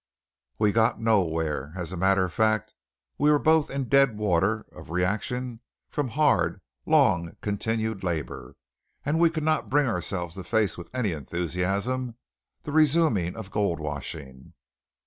We got nowhere. As a matter of fact, we were both in the dead water of reaction from hard, long continued labour, and we could not bring ourselves to face with any enthusiasm the resuming of gold washing.